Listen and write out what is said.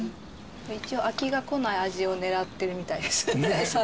一応飽きがこない味を狙ってるみたいですエサで。